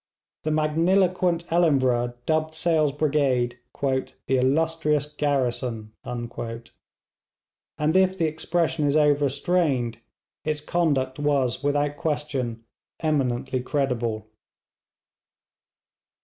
The magniloquent Ellenborough dubbed Sale's brigade 'the Illustrious Garrison,' and if the expression is overstrained, its conduct was without question eminently creditable.